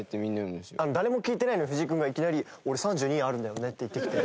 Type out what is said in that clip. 誰も聞いてないのに藤井君がいきなり「俺３２あるんだよね」って言ってきて。